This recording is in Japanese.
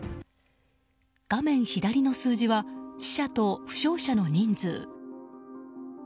画面左の数字は死者と負傷者の人数。